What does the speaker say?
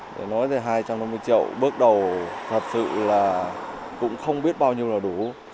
để nói tới hai trăm năm mươi triệu bước đầu thật sự là cũng không biết bao nhiêu là đủ